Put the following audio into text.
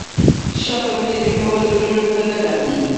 د شاتو مچۍ د میوو له ګلونو ګټه اخلي.